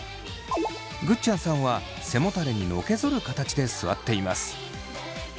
ぐっちゃんさんは背もたれにのけぞる形で座っています。